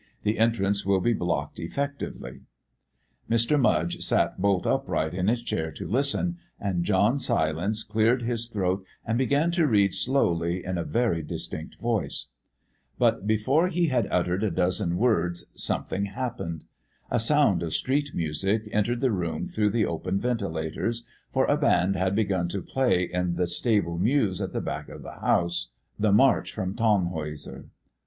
The entrances will be blocked effectively." Mr. Mudge sat bolt upright in his chair to listen, and John Silence cleared his throat and began to read slowly in a very distinct voice. But before he had uttered a dozen words, something happened. A sound of street music entered the room through the open ventilators, for a band had begun to play in the stable mews at the back of the house the March from Tannhäuser.